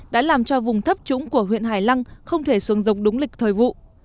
đã làm cho vùng thấp trũng của huyện hải lăng không thể xuống giống đúng lịch thời vụ